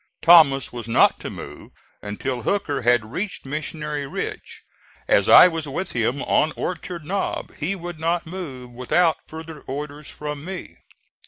Thomas was not to move until Hooker had reached Missionary Ridge. As I was with him on Orchard Knob, he would not move without further orders from me.